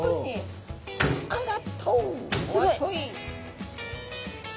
すごい。